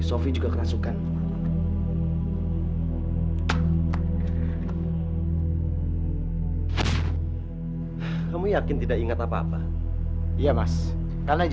sophie juga kerasukan